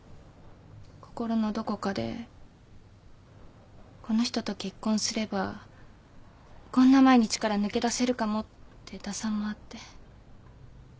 心のどこかでこの人と結婚すればこんな毎日から抜け出せるかもって打算もあって。